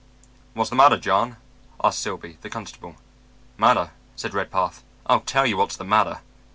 "What's the matter, John?" asked Silby, the constable. "Matter?" said Redpath. "I'll tell you what's the matter."